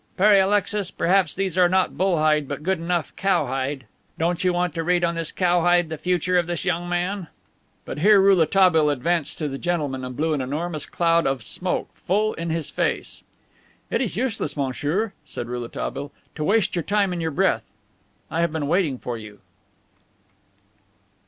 "Pere Alexis, perhaps these are not bull hide, but good enough cow hide. Don't you want to read on this cow hide the future of this young man?" But here Rouletabille advanced to the gentleman, and blew an enormous cloud of smoke full in his face. "It is useless, monsieur," said Rouletabille, "to waste your time and your breath. I have been waiting for you."